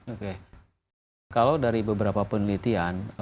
oke kalau dari beberapa penelitian